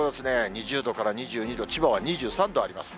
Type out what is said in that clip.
２０度から２２度、千葉は２３度あります。